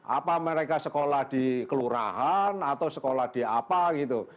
apa mereka sekolah di kelurahan atau sekolah di apa gitu